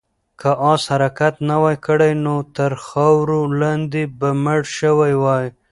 که آس حرکت نه وای کړی، نو تر خاورو لاندې به مړ شوی وای.